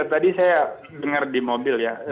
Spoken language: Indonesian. tadi saya dengar di mobil ya